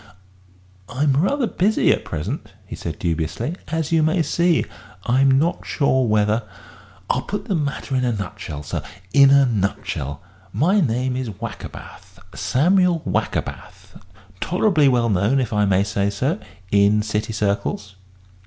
"I'm rather busy at present," he said dubiously, "as you may see. I'm not sure whether " "I'll put the matter in a nutshell, sir in a nutshell. My name is Wackerbath, Samuel Wackerbath tolerably well known, if I may say so, in City circles."